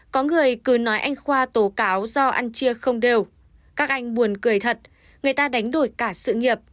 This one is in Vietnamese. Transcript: có người cứ nói anh khoa tố cáo do ăn chia không đều các anh buồn cười thật người ta đánh đổi cả sự nghiệp